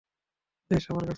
বেশ, আমার আছে!